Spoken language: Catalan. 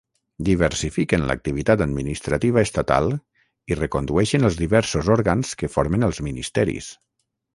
Diversifiquen l'activitat administrativa estatal i recondueixen els diversos òrgans que formen els ministeris.